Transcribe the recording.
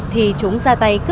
thì chúng ra tay